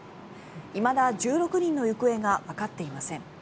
いまだ１６人の行方がわかっていません。